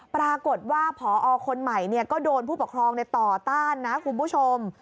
ปรากฏว่าพอคนใหม่ก็โดนผู้ปกครองต่อต้านนะคุณผู้ชม